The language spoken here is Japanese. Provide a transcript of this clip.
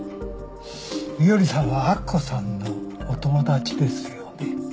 伊織さんは明子さんのお友達ですよね？